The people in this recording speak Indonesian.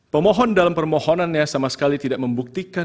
pemohon dalam permohonannya sama sekali tidak membuktikan